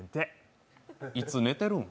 いつ寝てるん？